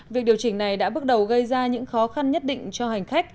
việc điều chỉnh này đã bước đầu gây ra những khó khăn nhất định cho hành khách